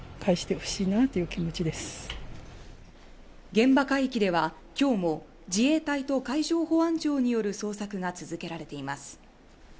現場海域では、今日も自衛隊と海上保安庁による捜索が続けられています。